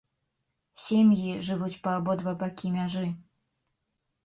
Сем'і жывуць па абодва бакі мяжы.